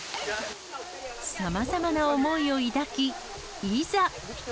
さまざまな思いを抱き、いざ。